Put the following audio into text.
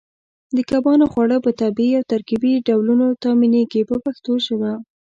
د کبانو خواړه په طبیعي او ترکیبي ډولونو تامینېږي په پښتو ژبه.